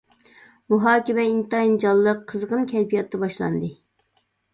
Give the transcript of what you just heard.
مۇھاكىمە ئىنتايىن جانلىق، قىزغىن كەيپىياتتا باشلاندى.